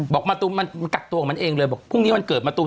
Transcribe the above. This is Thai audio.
มะตูมมันกักตัวของมันเองเลยบอกพรุ่งนี้วันเกิดมะตูม